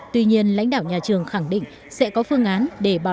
tuy nhiên lãnh đạo nhà trường khẳng định sẽ có phương án để bảo đảm